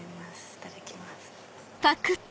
いただきます。